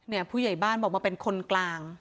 ผู้ใหญ่บ้านบอกมาเป็นคนกลาง